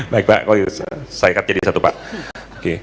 baik pak kalau bisa saya katakan satu pak